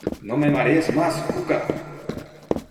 ¡No me marees más, Cuca!